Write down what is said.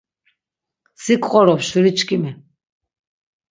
Sin ǩqorop şuriçkimi.